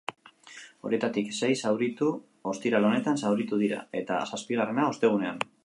Horietatik sei zauritu ostiral honetan zauritu dira, eta, zazpigarrena, ostegunean.